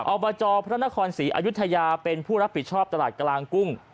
อบจพระนครศรีอายุทยาเป็นผู้รับผิดชอบตลาดกลางกุ้ง